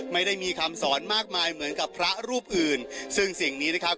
ไม่ได้มีคำสอนมากมายเหมือนกับพระรูปอื่นซึ่งสิ่งนี้นะครับ